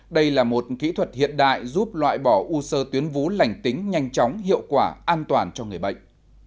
đây là một kỹ thuật hiện đại giúp loại bỏ u sơ tuyến vú lành tính nhanh chóng hiệu quả an toàn cho người bệnh